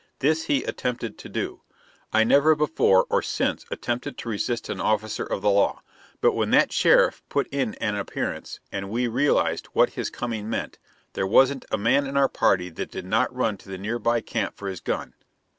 This he attempted to do. I never before or since attempted to resist an officer of the law; but when that sheriff put in an appearance and we realized what his coming meant, there wasn't a man in our party that did not run to the nearby camp for his gun.